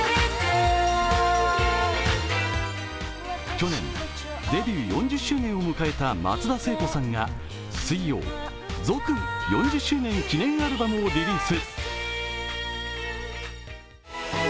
去年、デビュー４０周年を迎えた松田聖子さんが水曜、続・４０周年記念アルバムをリリース。